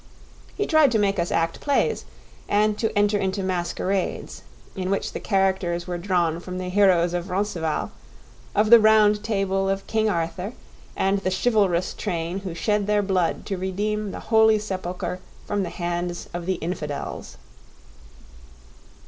He tried to make us act plays and to enter into masquerades, in which the characters were drawn from the heroes of Roncesvalles, of the Round Table of King Arthur, and the chivalrous train who shed their blood to redeem the holy sepulchre from the hands of the infidels.